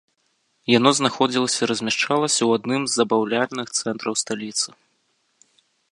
Яно знаходзілася размяшчалася ў адным з забаўляльных цэнтраў сталіцы.